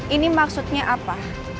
ini maksudnya apa